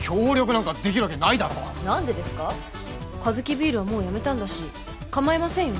カヅキビールはもう辞めたんだし構いませんよね？